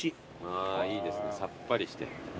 あぁーいいですねさっぱりして。